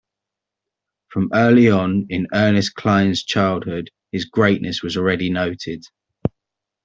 From early on in Ernest Klein's childhood, his greatness was already noted.